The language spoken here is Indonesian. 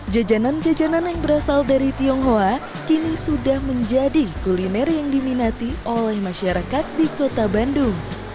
jajanan jajanan yang berasal dari tionghoa kini sudah menjadi kuliner yang diminati oleh masyarakat di kota bandung